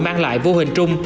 mang lại vô hình trung